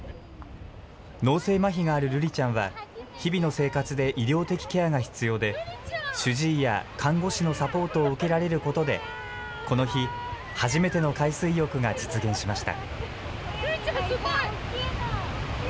脳性まひがある瑠莉ちゃんは、日々の生活で医療的ケアが必要で、主治医や看護師のサポートを受けられることで、この日、初めての海水浴が実現しました。